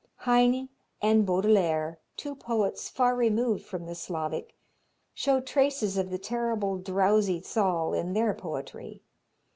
Heine and Baudelaire, two poets far removed from the Slavic, show traces of the terrible drowsy Zal in their poetry.